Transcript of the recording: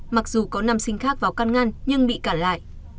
mặc dù có nam sinh khác vào căn ngăn nhưng bị cản lại